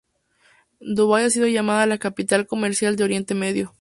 Dubai ha sido llamada la "capital comercial de Oriente Medio".